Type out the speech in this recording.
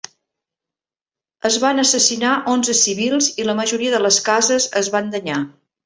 Es van assassinar onze civils i la majoria de les cases es van danyar.